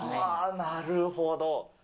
なるほど。